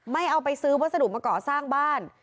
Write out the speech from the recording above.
เอาไปซื้อวัสดุมาก่อสร้างบ้าน